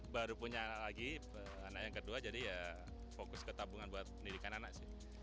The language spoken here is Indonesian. baru punya anak lagi anak yang kedua jadi ya fokus ke tabungan buat pendidikan anak sih